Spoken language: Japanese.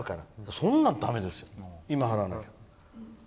そんなだめですよ、今払わなきゃ。